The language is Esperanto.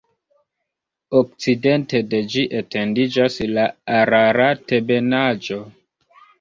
Okcidente de ĝi etendiĝas la Ararat-ebenaĵo.